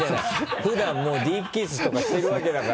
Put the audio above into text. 普段もうディープキスとかしてるわけだから。